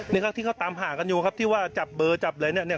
เดี๋ยวผมคนตรงทำกินเนี่ย